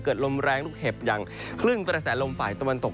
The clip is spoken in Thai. ลมแรงลูกเห็บอย่างคลื่นกระแสลมฝ่ายตะวันตก